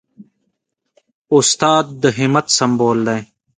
استاد د همت سمبول دی.